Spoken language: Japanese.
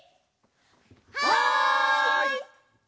はい！